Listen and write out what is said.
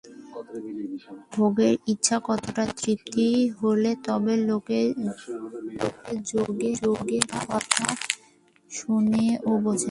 ভোগের ইচ্ছা কতকটা তৃপ্ত হলে তবে লোকে যোগের কথা শোনে ও বোঝে।